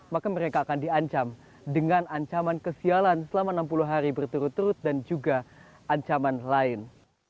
maka mereka akan diancam dengan ancaman kesialan selama enam puluh hari berturut turut dan juga ancaman lain